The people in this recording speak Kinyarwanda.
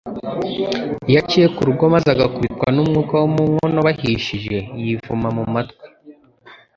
iyo aciye ku rugo maze agakubitwa n’umwuka wo mu nkono bahishije, yivuma ku mutima